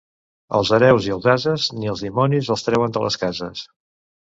Els hereus i els ases, ni els dimonis els treuen de les cases.